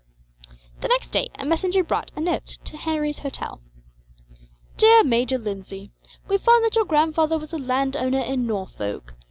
The next day a messenger brought a note to Harry's hotel: "Dear Major Lindsay: "We find that your grandfather was a landowner in Norfolk.